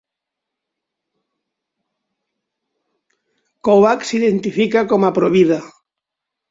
Kobach s'identifica com a pro-vida.